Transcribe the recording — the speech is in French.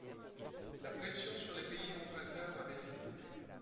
La pression sur les pays emprunteurs a baissé.